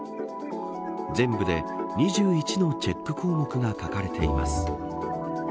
全部で２１のチェック項目が書かれています。